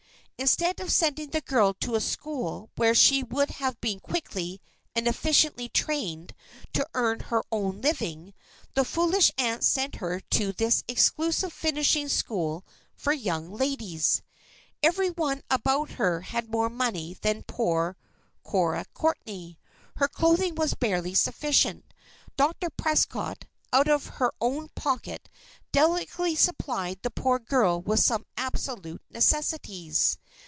Instead of sending the girl to a school where she would have been quickly and efficiently trained to earn her own living, the foolish aunt sent her to this exclusive finishing school for young ladies. Every one about her had more money than poor Cora Courtney. Her clothing was barely sufficient. Dr. Prescott, out of her own pocket, delicately supplied the poor girl with some absolute necessities.